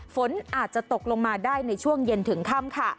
ฝนอาจจะตกลงมาได้ในช่วงเย็นถึงค่ำค่ะ